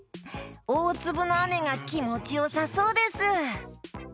おおつぶのあめがきもちよさそうです！